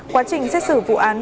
quá trình xét xử vụ án